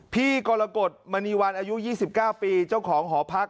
พี่กมานีวัลอายุ๒๙ปีเจ้าของหอพัก